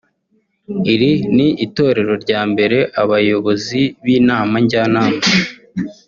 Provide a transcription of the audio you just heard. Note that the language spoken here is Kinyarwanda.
Iri ni itorero rya mbere abayobozi b’Inama Njyanama